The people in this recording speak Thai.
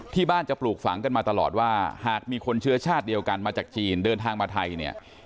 ที่บ้านจะปลูกฝังกันมาตลอดว่าหากมีคนเชื้อชาติเดียวกันมาจากจีนเดินทางมาไทยเนี่ย